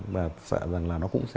và sợ rằng là nó cũng sẽ